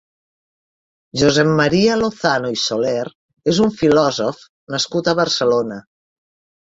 Josep Maria Lozano i Soler és un filòsof nascut a Barcelona.